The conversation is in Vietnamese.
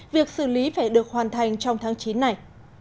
việc xử lý phải được hoàn thành trong tháng chín này